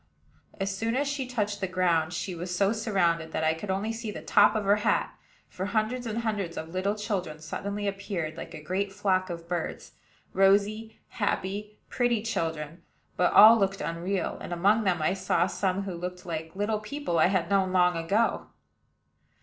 As soon as she touched the ground, she was so surrounded that I could only see the top of her hat; for hundreds and hundreds of little children suddenly appeared, like a great flock of birds, rosy, happy, pretty children; but all looked unreal, and among them I saw some who looked like little people I had known long ago.